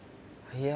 いや。